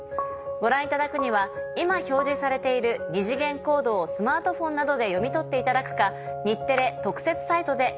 ご覧いただくには今表示されている二次元コードをスマートフォンなどで読み取っていただくか。